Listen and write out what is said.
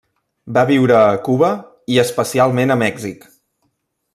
Va viure a Cuba i especialment a Mèxic.